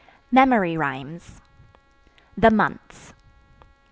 MEMORY RHYMES. The Months.